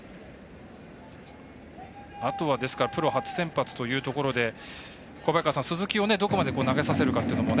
あとはプロ初先発というところで鈴木をどこまで投げさせるかというのも。